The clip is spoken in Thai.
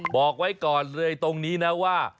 บอกไว้ก่อนเลยตรงนี้นะว่า